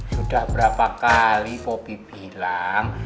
sudah berapa kali fobi bilang